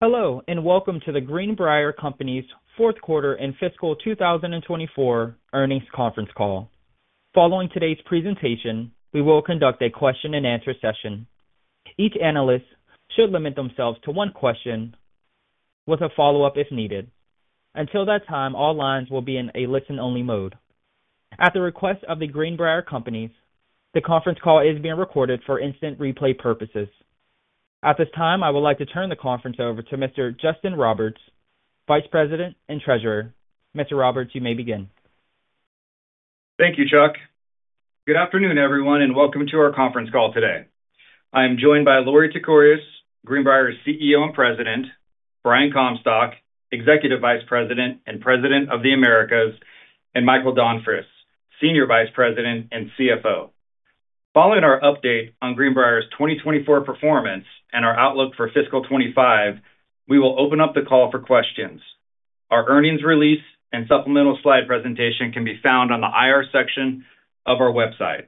Hello, and welcome to The Greenbrier Companies' fourth quarter and fiscal 2024 earnings conference call. Following today's presentation, we will conduct a question-and-answer session. Each analyst should limit themselves to one question with a follow-up, if needed. Until that time, all lines will be in a listen-only mode. At the request of the Greenbrier Companies, the conference call is being recorded for instant replay purposes. At this time, I would like to turn the conference over to Mr. Justin Roberts, Vice President and Treasurer. Mr. Roberts, you may begin. Thank you, Chuck. Good afternoon, everyone, and welcome to our conference call today. I am joined by Lorie Tekorius, Greenbrier's CEO and President, Brian Comstock, Executive Vice President and President of the Americas, and Michael Donfris, Senior Vice President and CFO. Following our update on Greenbrier's 2024 performance and our outlook for fiscal 2025, we will open up the call for questions. Our earnings release and supplemental slide presentation can be found on the IR section of our website.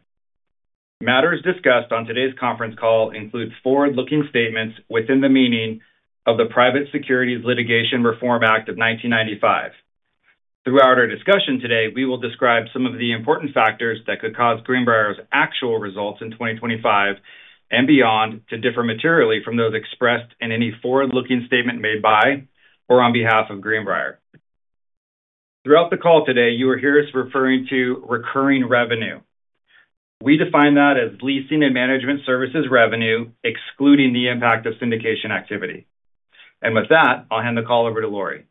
Matters discussed on today's conference call includes forward-looking statements within the meaning of the Private Securities Litigation Reform Act of 1995. Throughout our discussion today, we will describe some of the important factors that could cause Greenbrier's actual results in 2025 and beyond to differ materially from those expressed in any forward-looking statement made by or on behalf of Greenbrier. Throughout the call today, you will hear us referring to recurring revenue. We define that as leasing and management services revenue, excluding the impact of syndication activity, and with that, I'll hand the call over to Lorie.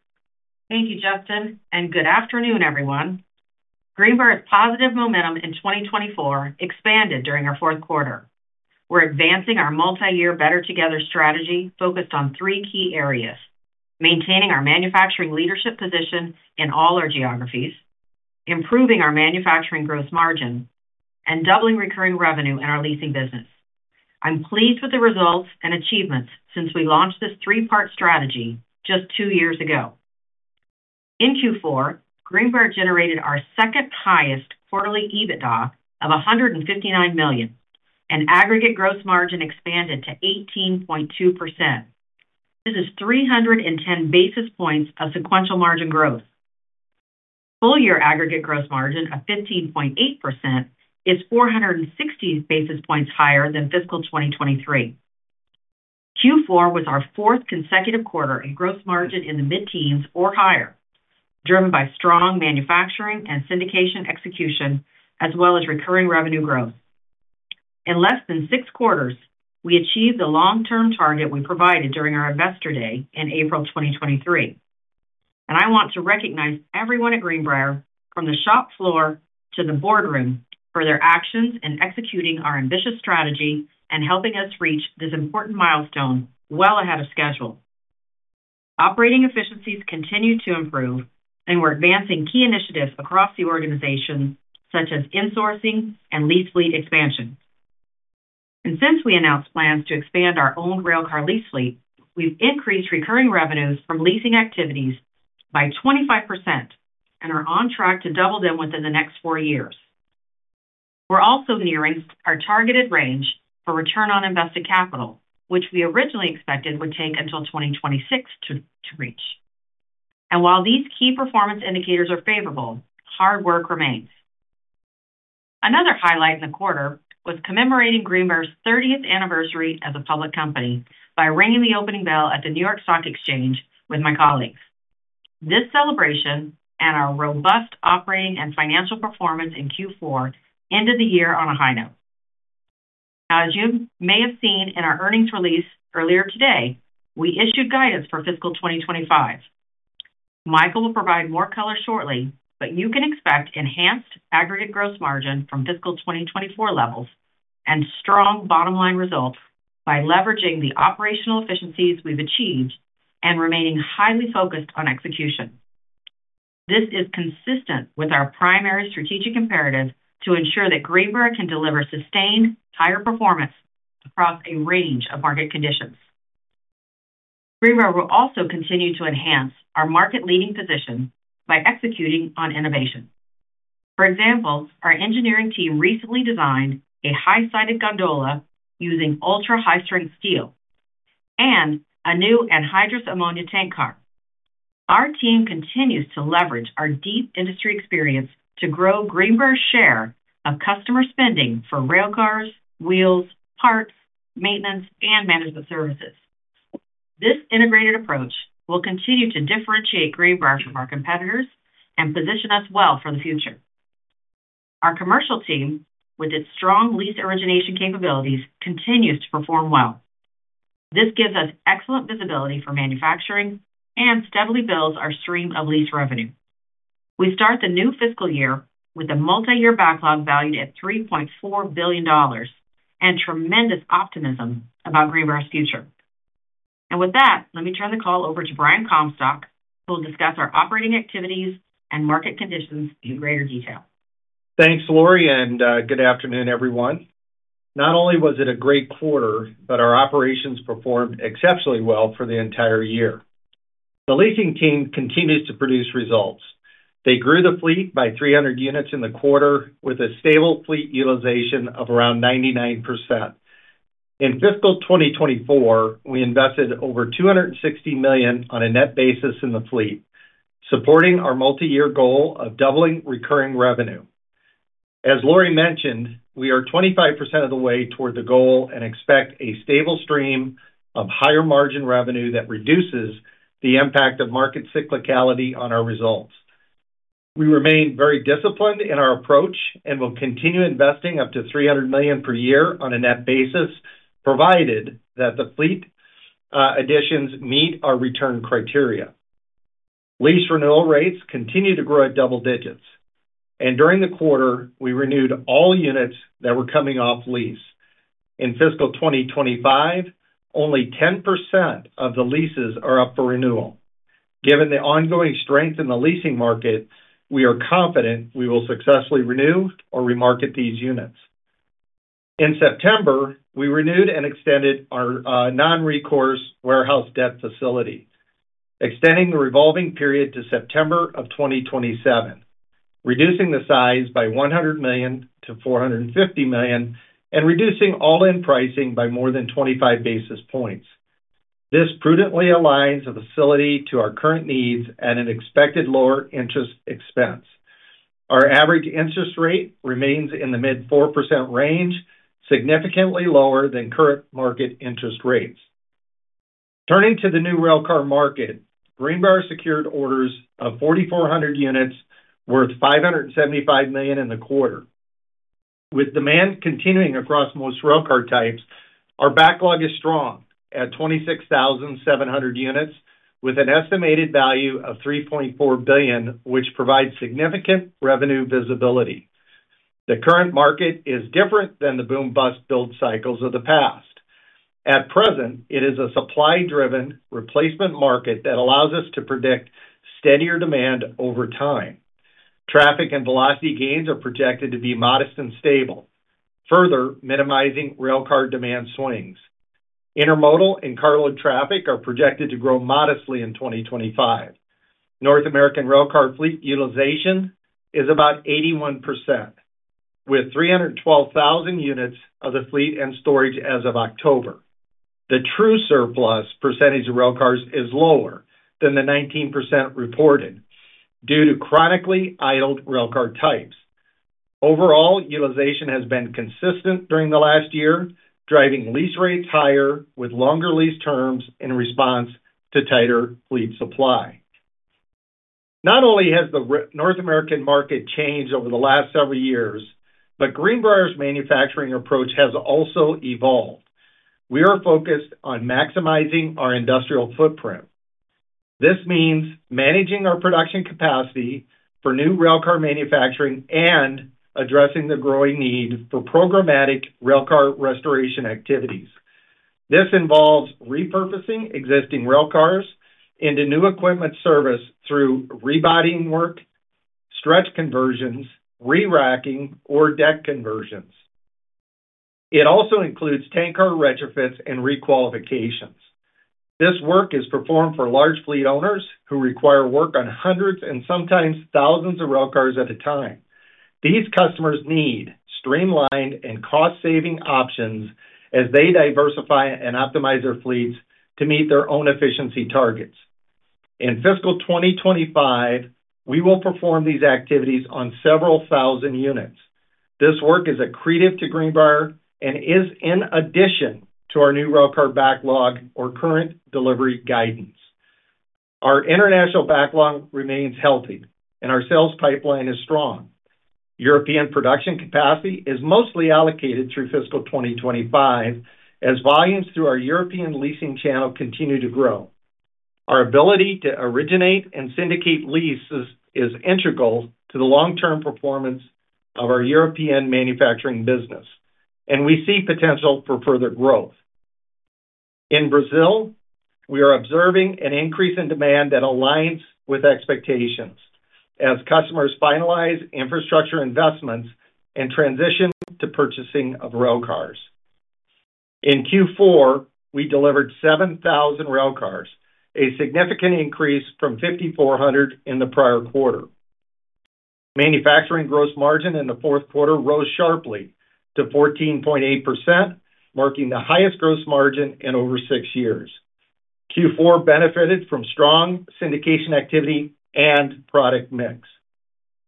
Thank you, Justin, and good afternoon, everyone. Greenbrier's positive momentum in 2024 expanded during our fourth quarter. We're advancing our multi-year Better Together strategy, focused on three key areas: maintaining our manufacturing leadership position in all our geographies, improving our manufacturing gross margin, and doubling recurring revenue in our leasing business. I'm pleased with the results and achievements since we launched this three-part strategy just two years ago. In Q4, Greenbrier generated our second highest quarterly EBITDA of $159 million, and aggregate gross margin expanded to 18.2%. This is 310 basis points of sequential margin growth. Full-year aggregate gross margin of 15.8% is 460 basis points higher than fiscal 2023. Q4 was our fourth consecutive quarter in gross margin in the mid-teens or higher, driven by strong manufacturing and syndication execution, as well as recurring revenue growth. In less than six quarters, we achieved the long-term target we provided during our Investor Day in April 2023, and I want to recognize everyone at Greenbrier, from the shop floor to the boardroom, for their actions in executing our ambitious strategy and helping us reach this important milestone well ahead of schedule. Operating efficiencies continue to improve, and we're advancing key initiatives across the organization, such as insourcing and lease fleet expansion, and since we announced plans to expand our own railcar lease fleet, we've increased recurring revenues from leasing activities by 25% and are on track to double them within the next four years. We're also nearing our targeted range for return on invested capital, which we originally expected would take until 2026 to reach, and while these key performance indicators are favorable, hard work remains. Another highlight in the quarter was commemorating Greenbrier's thirtieth anniversary as a public company by ringing the opening bell at the New York Stock Exchange with my colleagues. This celebration and our robust operating and financial performance in Q4 ended the year on a high note. Now, as you may have seen in our earnings release earlier today, we issued guidance for fiscal 2025. Michael will provide more color shortly, but you can expect enhanced aggregate gross margin from fiscal 2024 levels and strong bottom-line results by leveraging the operational efficiencies we've achieved and remaining highly focused on execution. This is consistent with our primary strategic imperative to ensure that Greenbrier can deliver sustained higher performance across a range of market conditions. Greenbrier will also continue to enhance our market-leading position by executing on innovation. For example, our engineering team recently designed a high-sided gondola using ultra-high-strength steel and a new anhydrous ammonia tank car. Our team continues to leverage our deep industry experience to grow Greenbrier's share of customer spending for railcars, wheels, parts, maintenance, and management services. This integrated approach will continue to differentiate Greenbrier from our competitors and position us well for the future. Our commercial team, with its strong lease origination capabilities, continues to perform well. This gives us excellent visibility for manufacturing and steadily builds our stream of lease revenue. We start the new fiscal year with a multi-year backlog valued at $3.4 billion, and tremendous optimism about Greenbrier's future. With that, let me turn the call over to Brian Comstock, who will discuss our operating activities and market conditions in greater detail. Thanks, Lorie, and good afternoon, everyone. Not only was it a great quarter, but our operations performed exceptionally well for the entire year. The leasing team continues to produce results. They grew the fleet by 300 units in the quarter, with a stable fleet utilization of around 99%. In fiscal 2024, we invested over $260 million on a net basis in the fleet, supporting our multi-year goal of doubling recurring revenue. As Lorie mentioned, we are 25% of the way toward the goal and expect a stable stream of higher margin revenue that reduces the impact of market cyclicality on our results. We remain very disciplined in our approach and will continue investing up to $300 million per year on a net basis, provided that the fleet additions meet our return criteria. Lease renewal rates continue to grow at double digits, and during the quarter, we renewed all units that were coming off lease. In fiscal 2025, only 10% of the leases are up for renewal. Given the ongoing strength in the leasing market, we are confident we will successfully renew or remarket these units. In September, we renewed and extended our non-recourse warehouse debt facility, extending the revolving period to September of 2027, reducing the size by $100 million to $450 million, and reducing all-in pricing by more than 25 basis points. This prudently aligns the facility to our current needs at an expected lower interest expense. Our average interest rate remains in the mid-4% range, significantly lower than current market interest rates. Turning to the new railcar market, Greenbrier secured orders of 4,400 units, worth $575 million in the quarter. With demand continuing across most railcar types, our backlog is strong at 26,700 units, with an estimated value of $3.4 billion, which provides significant revenue visibility. The current market is different than the boom-bust build cycles of the past. At present, it is a supply-driven replacement market that allows us to predict steadier demand over time. Traffic and velocity gains are projected to be modest and stable, further minimizing railcar demand swings. Intermodal and carload traffic are projected to grow modestly in 2025. North American railcar fleet utilization is about 81%, with 312,000 units of the fleet in storage as of October. The true surplus percentage of railcars is lower than the 19% reported due to chronically idled railcar types. Overall, utilization has been consistent during the last year, driving lease rates higher with longer lease terms in response to tighter fleet supply. Not only has the North American market changed over the last several years, but Greenbrier's manufacturing approach has also evolved. We are focused on maximizing our industrial footprint. This means managing our production capacity for new railcar manufacturing and addressing the growing need for programmatic railcar restoration activities. This involves repurposing existing railcars into new equipment service through rebodying work, stretch conversions, re-racking, or deck conversions. It also includes tank car retrofits and requalifications. This work is performed for large fleet owners who require work on hundreds and sometimes thousands of railcars at a time. These customers need streamlined and cost-saving options as they diversify and optimize their fleets to meet their own efficiency targets. In fiscal 2025, we will perform these activities on several thousand units. This work is accretive to Greenbrier and is in addition to our new railcar backlog or current delivery guidance. Our international backlog remains healthy, and our sales pipeline is strong. European production capacity is mostly allocated through fiscal 2025, as volumes through our European leasing channel continue to grow. Our ability to originate and syndicate leases is integral to the long-term performance of our European manufacturing business, and we see potential for further growth. In Brazil, we are observing an increase in demand that aligns with expectations as customers finalize infrastructure investments and transition to purchasing of railcars. In Q4, we delivered seven thousand railcars, a significant increase from fifty-four hundred in the prior quarter. Manufacturing gross margin in the fourth quarter rose sharply to 14.8%, marking the highest gross margin in over 6 years. Q4 benefited from strong syndication activity and product mix.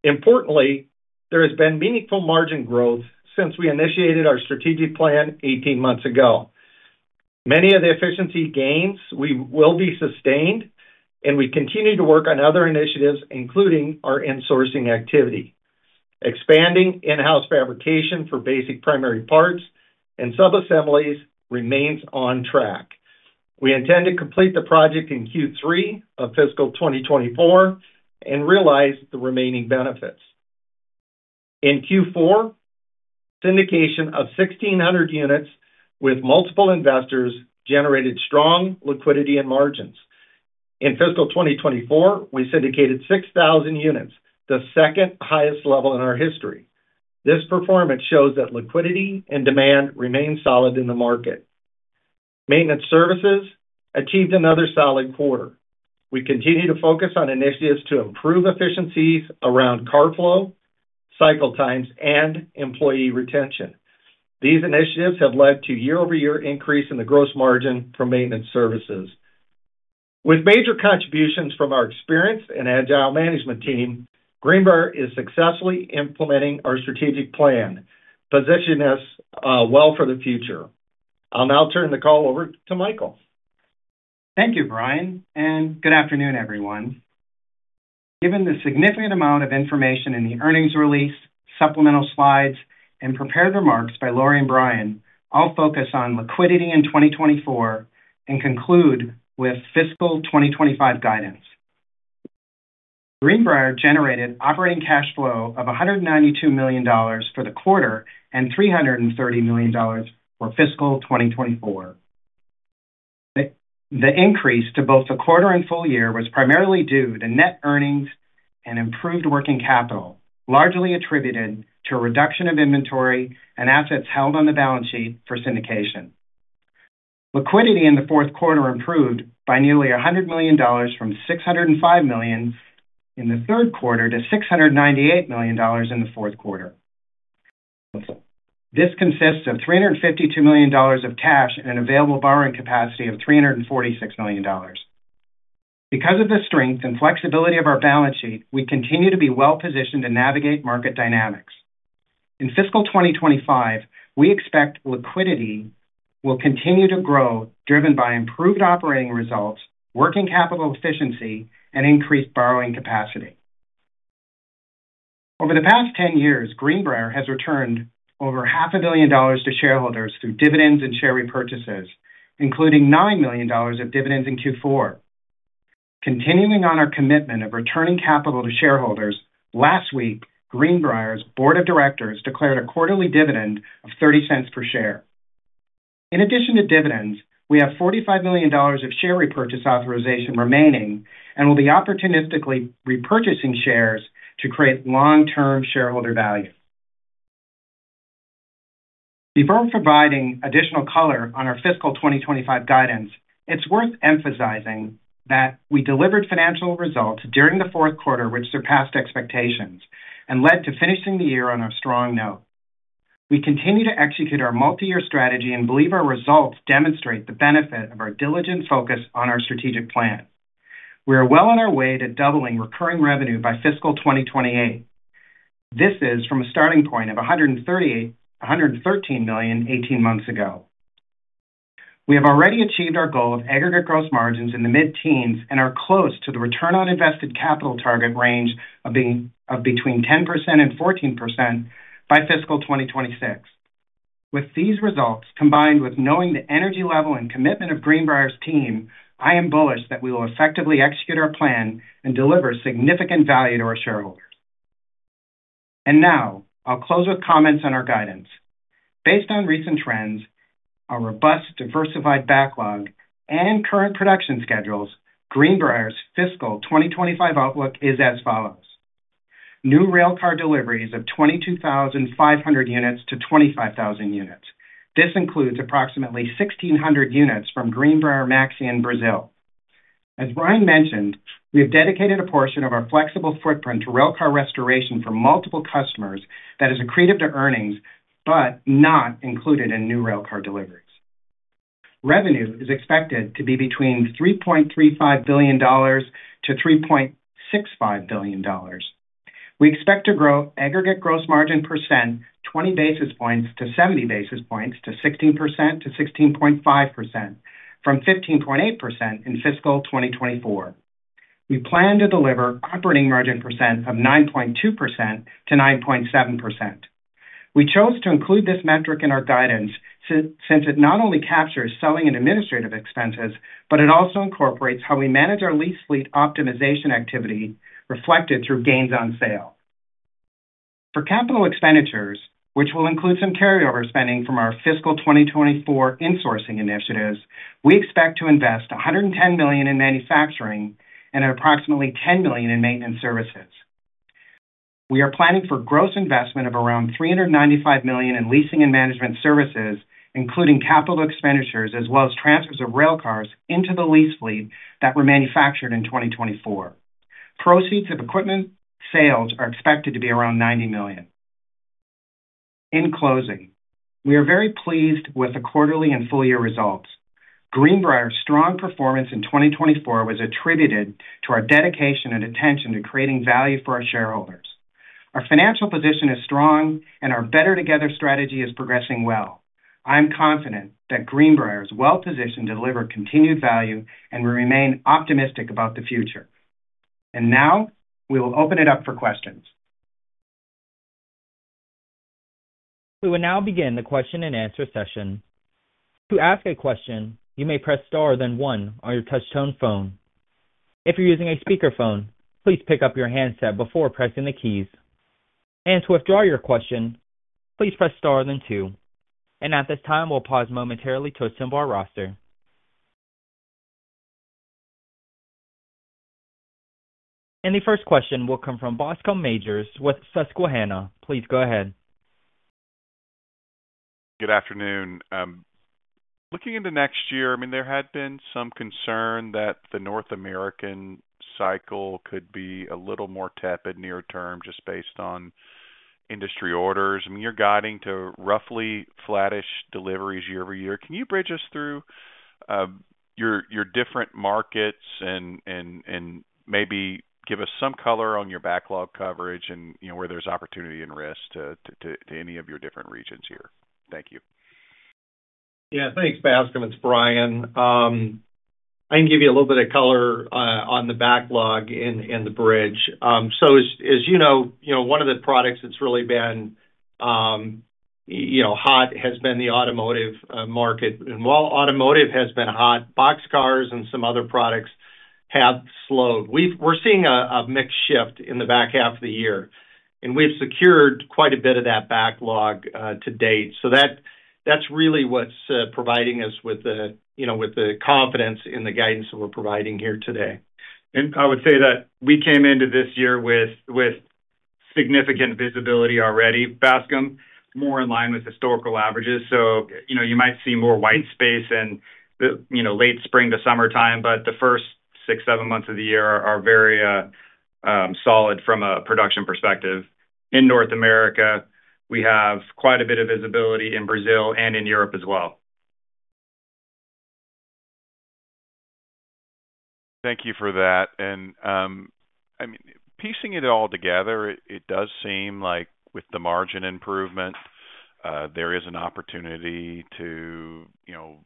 Importantly, there has been meaningful margin growth since we initiated our strategic plan 18 months ago. Many of the efficiency gains will be sustained, and we continue to work on other initiatives, including our insourcing activity. Expanding in-house fabrication for basic primary parts and subassemblies remains on track. We intend to complete the project in Q3 of fiscal 2024 and realize the remaining benefits. In Q4, syndication of 1,600 units with multiple investors generated strong liquidity and margins. In fiscal 2024, we syndicated 6,000 units, the second highest level in our history.... This performance shows that liquidity and demand remain solid in the market. Maintenance services achieved another solid quarter. We continue to focus on initiatives to improve efficiencies around car flow, cycle times, and employee retention. These initiatives have led to year-over-year increase in the gross margin for maintenance services. With major contributions from our experienced and agile management team, Greenbrier is successfully implementing our strategic plan, positioning us well for the future. I'll now turn the call over to Michael. Thank you, Brian, and good afternoon, everyone. Given the significant amount of information in the earnings release, supplemental slides, and prepared remarks by Lorie and Brian, I'll focus on liquidity in 2024 and conclude with fiscal 2025 guidance. Greenbrier generated operating cash flow of $192 million for the quarter and $330 million for fiscal 2024. The increase to both the quarter and full year was primarily due to net earnings and improved working capital, largely attributed to a reduction of inventory and assets held on the balance sheet for syndication. Liquidity in the fourth quarter improved by nearly $100 million from $605 million in the third quarter to $698 million in the fourth quarter. This consists of $352 million of cash and available borrowing capacity of $346 million. Because of the strength and flexibility of our balance sheet, we continue to be well-positioned to navigate market dynamics. In fiscal 2025, we expect liquidity will continue to grow, driven by improved operating results, working capital efficiency, and increased borrowing capacity. Over the past 10 years, Greenbrier has returned over $500 million to shareholders through dividends and share repurchases, including $9 million of dividends in Q4. Continuing on our commitment of returning capital to shareholders, last week, Greenbrier's Board of Directors declared a quarterly dividend of 30 cents per share. In addition to dividends, we have $45 million of share repurchase authorization remaining and will be opportunistically repurchasing shares to create long-term shareholder value. Before providing additional color on our fiscal 2025 guidance, it's worth emphasizing that we delivered financial results during the fourth quarter, which surpassed expectations and led to finishing the year on a strong note. We continue to execute our multi-year strategy and believe our results demonstrate the benefit of our diligent focus on our strategic plan. We are well on our way to doubling recurring revenue by fiscal 2028. This is from a starting point of $138 million-- $113 million eighteen months ago. We have already achieved our goal of aggregate gross margins in the mid-teens percent and are close to the return on invested capital target range of between 10% and 14% by fiscal 2026. With these results, combined with knowing the energy level and commitment of Greenbrier's team, I am bullish that we will effectively execute our plan and deliver significant value to our shareholders. And now, I'll close with comments on our guidance. Based on recent trends, our robust, diversified backlog and current production schedules, Greenbrier's fiscal 2025 outlook is as follows: New railcar deliveries of 22,500 units to 25,000 units. This includes approximately 1,600 units from Greenbrier-Maxion in Brazil. As Brian mentioned, we have dedicated a portion of our flexible footprint to railcar restoration for multiple customers that is accretive to earnings, but not included in new railcar deliveries. Revenue is expected to be between $3.35 billion-$3.65 billion. We expect to grow aggregate gross margin percent 20 basis points to 70 basis points to 16%-16.5%, from 15.8% in fiscal 2024. We plan to deliver operating margin percent of 9.2%-9.7%. We chose to include this metric in our guidance, since it not only captures selling and administrative expenses, but it also incorporates how we manage our lease fleet optimization activity, reflected through gains on sale. For capital expenditures, which will include some carryover spending from our fiscal 2024 insourcing initiatives, we expect to invest $110 million in manufacturing and approximately $10 million in maintenance services. We are planning for gross investment of around $395 million in leasing and management services, including capital expenditures as well as transfers of railcars into the lease fleet that were manufactured in 2024. Proceeds of equipment sales are expected to be around $90 million. In closing, we are very pleased with the quarterly and full year results. Greenbrier's strong performance in 2024 was attributed to our dedication and attention to creating value for our shareholders. Our financial position is strong, and our Better Together strategy is progressing well. I'm confident that Greenbrier is well positioned to deliver continued value, and we remain optimistic about the future. And now, we will open it up for questions. We will now begin the question-and-answer session. To ask a question, you may press star then one on your touchtone phone. If you're using a speakerphone, please pick up your handset before pressing the keys. And to withdraw your question, please press star then two. And at this time, we'll pause momentarily to assemble our roster. ... And the first question will come from Bascom Majors with Susquehanna. Please go ahead. Good afternoon. Looking into next year, I mean, there had been some concern that the North American cycle could be a little more tepid near term, just based on industry orders. I mean, you're guiding to roughly flattish deliveries year-over-year. Can you bridge us through your different markets and maybe give us some color on your backlog coverage and, you know, where there's opportunity and risk to any of your different regions here? Thank you. Yeah, thanks, Bascom. It's Brian. I can give you a little bit of color on the backlog and the bridge. So, as you know, one of the products that's really been hot has been the automotive market. And while automotive has been hot, boxcars and some other products have slowed. We're seeing a mix shift in the back half of the year, and we've secured quite a bit of that backlog to date. So, that's really what's providing us with the, you know, with the confidence in the guidance that we're providing here today. I would say that we came into this year with significant visibility already, Bascom, more in line with historical averages. You know, you might see more white space in the, you know, late spring to summertime, but the first six, seven months of the year are very solid from a production perspective. In North America, we have quite a bit of visibility in Brazil and in Europe as well. Thank you for that. And, I mean, piecing it all together, it does seem like with the margin improvement, there is an opportunity to, you know,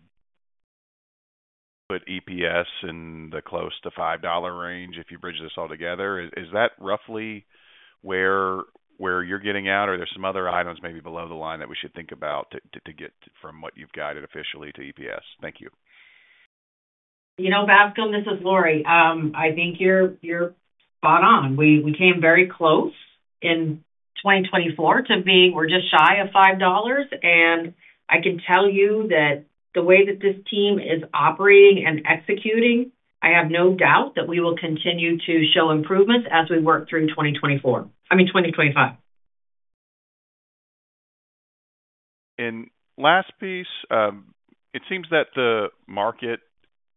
put EPS in the close to $5 range if you bridge this all together. Is that roughly where you're getting at, or are there some other items maybe below the line that we should think about to get from what you've guided officially to EPS? Thank you. You know, Bascom, this is Lorie. I think you're spot on. We came very close in 2024 to being, we're just shy of $5, and I can tell you that the way that this team is operating and executing, I have no doubt that we will continue to show improvements as we work through 2024. I mean, 2025. And last piece, it seems that the market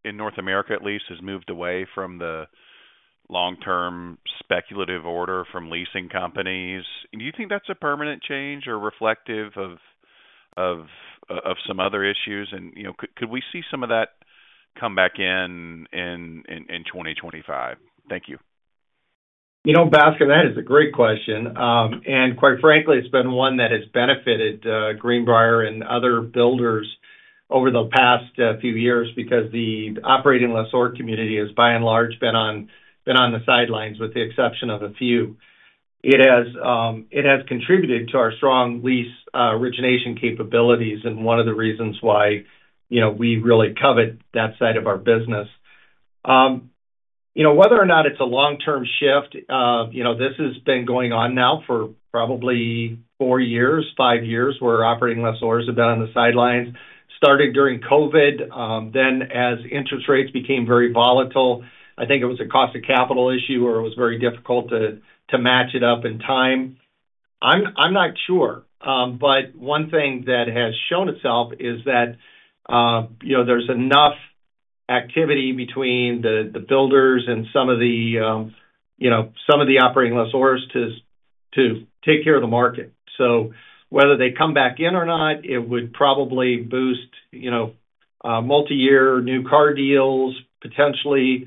in North America, at least, has moved away from the long-term speculative order from leasing companies. Do you think that's a permanent change or reflective of some other issues? And, you know, could we see some of that come back in 2025? Thank you. You know, Bascom, that is a great question, and quite frankly, it's been one that has benefited Greenbrier and other builders over the past few years, because the operating lessor community has, by and large, been on the sidelines, with the exception of a few. It has contributed to our strong lease origination capabilities and one of the reasons why, you know, we really covet that side of our business. You know, whether or not it's a long-term shift, you know, this has been going on now for probably four years, five years, where operating lessors have been on the sidelines. Started during COVID, then as interest rates became very volatile, I think it was a cost of capital issue where it was very difficult to match it up in time. I'm not sure, but one thing that has shown itself is that, you know, there's enough activity between the builders and some of the, you know, some of the operating lessors to take care of the market. So whether they come back in or not, it would probably boost, you know, multi-year new car deals, potentially.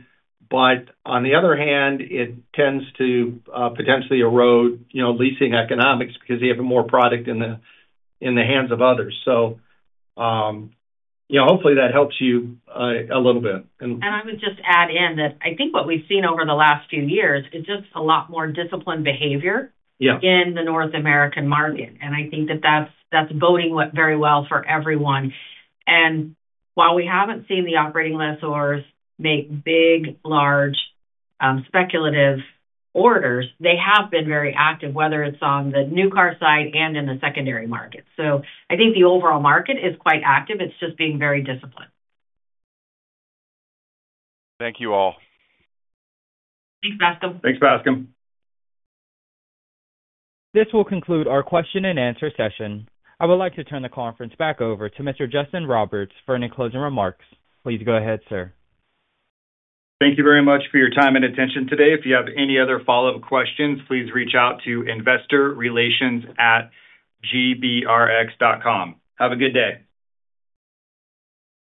But on the other hand, it tends to potentially erode, you know, leasing economics because they have more product in the hands of others. So, you know, hopefully that helps you a little bit. And I would just add in that I think what we've seen over the last few years is just a lot more disciplined behavior. Yeah In the North American market, and I think that that's boding well for everyone. And while we haven't seen the operating lessors make big, large, speculative orders, they have been very active, whether it's on the new car side and in the secondary market. So I think the overall market is quite active. It's just being very disciplined. Thank you, all. Thanks, Bascom. Thanks, Bascom. This will conclude our question-and-answer session. I would like to turn the conference back over to Mr. Justin Roberts for any closing remarks. Please go ahead, sir. Thank you very much for your time and attention today. If you have any other follow-up questions, please reach out to investorrelations@gbrx.com. Have a good day.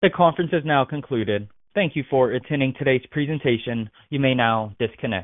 The conference is now concluded. Thank you for attending today's presentation. You may now disconnect.